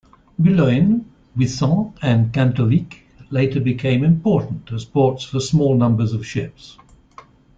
Boulogne, Wissant, and Quentovic later became important as ports for small numbers of ships.